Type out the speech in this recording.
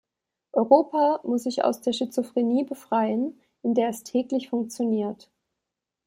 Europa muss sich aus der Schizophrenie befreien, in der es täglich funktioniert.